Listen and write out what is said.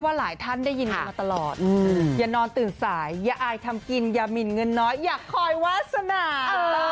หลายท่านได้ยินกันมาตลอดอย่านอนตื่นสายอย่าอายทำกินอย่าหมินเงินน้อยอย่าคอยวาสนา